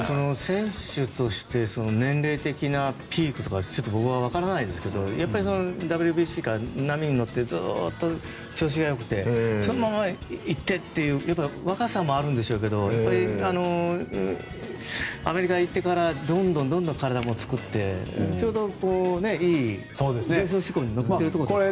選手として年齢的なピークとか僕はわからないですけどやっぱり、ＷＢＣから波に乗って、ずっと調子がよくてそのまま行ってという若さもあるんでしょうけどアメリカに行ってからどんどん体も作ってちょうどいい上昇志向に乗っているところですからね。